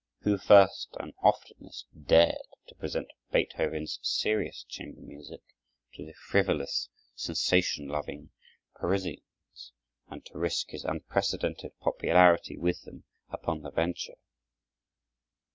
Who first and oftenest dared to present Beethoven's serious chamber music to the frivolous sensation loving Parisians, and to risk his unprecedented popularity with them upon the venture?